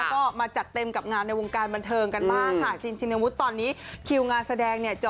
ก็มาจัดเต็มกับงานในวงการบันเทิงกันบ้างค่ะชินชินวุฒิตอนนี้คิวงานแสดงเนี่ย